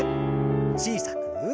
小さく。